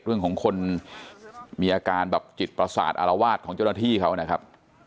เรื่องของคนมีอาการแบบจิตประสาทอารวาสของเจ้าหน้าที่เขานะครับ